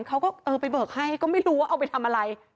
เขาก็เออไปเบิกให้ก็ไม่รู้ว่าเอาไปทำอะไร